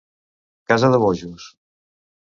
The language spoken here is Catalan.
Casa de bojos.